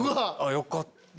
よかった！